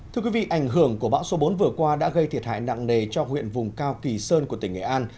thưa quý vị ảnh hưởng của bão số bốn vừa qua đã gây thiệt hại nặng nề cho huyện vùng cao kỳ sơn của tỉnh nghệ an